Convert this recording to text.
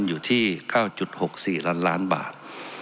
อยู่ที่๙๖๔ล้านล้านบาท